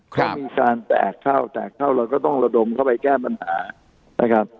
เขามีการแตกเข้าแตกเข้าเราก็ต้องระดมเข้าไปแก้ปัญหานะครับ